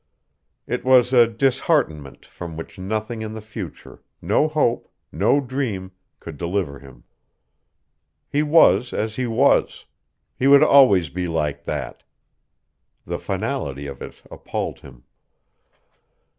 It was a disheartenment from which nothing in the future, no hope, no dream, could deliver him. He was as he was. He would always be like that. The finality of it appalled him.